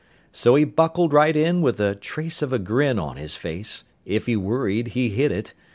So he buckled right in with the trace of a grin On his face. If he worried he hid it.